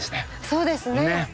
そうですね。